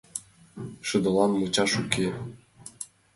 Шыдылан мучаш уке